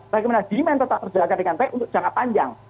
bagaimana demand tetap terjaga dengan baik untuk jangka panjang